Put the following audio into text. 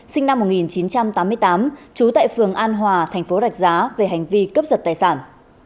sinh năm một nghìn chín trăm tám mươi tám trú tại phường an hòa tp rạch giá về hành vi cấp giật tài sản